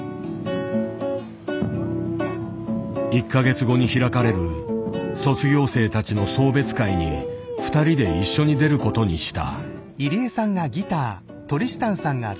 １か月後に開かれる卒業生たちの送別会に２人で一緒に出ることにした。